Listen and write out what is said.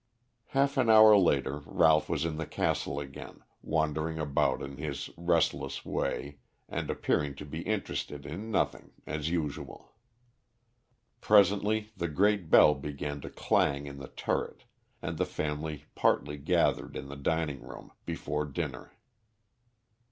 Half an hour later Ralph was in the castle again, wandering about in his restless way and appearing to be interested in nothing, as usual. Presently the great bell began to clang in the turret, and the family partly gathered in the dining room before dinner.